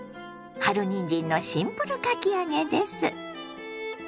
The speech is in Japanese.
春にんじんのシンプルかき揚げです。